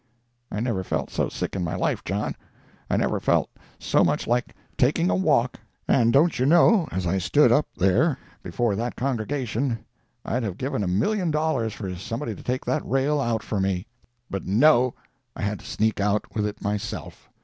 I never felt so sick in my life, John. I never felt so much like taking a walk. And don't you know, as I stood up there before that congregation, I'd have given a million dollars for somebody to take that rail out for me. But no—I had to sneak out with it myself.